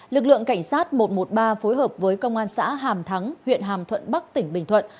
lực lượng cảnh sát một trăm một mươi ba phối hợp với công an xã hàm thắng huyện hàm thuận bắc tỉnh bình thuận